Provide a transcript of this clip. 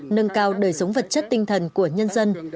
nâng cao đời sống vật chất tinh thần của nhân dân